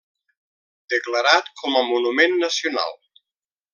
Declarat com a Monument Nacional.